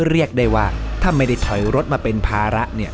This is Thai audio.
เรียกได้ว่าถ้าไม่ได้ถอยรถมาเป็นภาระเนี่ย